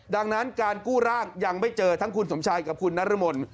ดังนั้นการกู้ร่างยังไม่เจอทั้งคุณสมชัยกับคุณนรมน